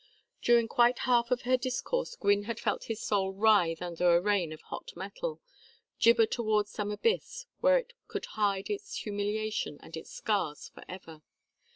During quite half of her discourse Gwynne had felt his soul writhe under a rain of hot metal, gibber towards some abyss where it could hide its humiliation and its scars for ever.